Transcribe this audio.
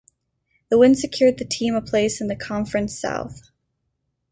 The win secured the team a place in the Conference South.